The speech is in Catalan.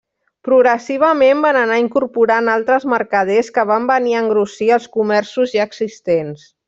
Progressivament van anar incorporant altres mercaders que van venir a engrossir els comerços ja existents.